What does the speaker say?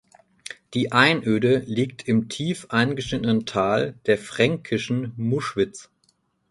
Die Einöde liegt im tief eingeschnittenen Tal der Fränkischen Muschwitz.